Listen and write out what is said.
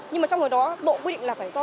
nhưng mà trong người đó bộ quy định là phải do